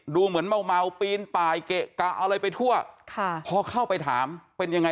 ดูเหมือนเมาปีนป่ายเกะกะอะไรไปทั่วค่ะพอเข้าไปถามเป็นยังไง